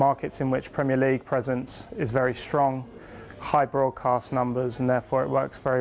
ร่วมกันอีก